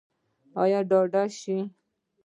ایا ډاډه شوئ؟